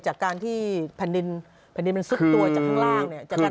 จากการที่แผ่นดินแผ่นดินมันซุดตัวจากข้างล่างเนี่ย